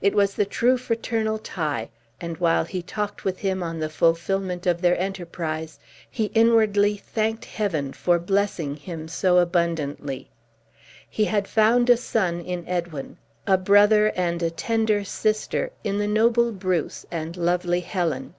It was the true fraternal tie; and while he talked with him on the fulfillment of their enterprise, he inwardly thanked Heaven for blessing him so abundantly. He had found a son in Edwin; a brother, and a tender sister in the noble Bruce and lovely Helen.